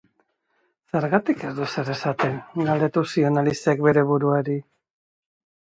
Zergatik ez du ezer esaten?, galdetu zion Alicek bere buruari.